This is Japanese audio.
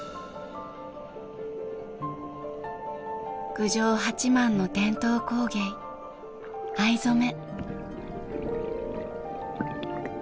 郡上八幡の伝統工芸藍染め。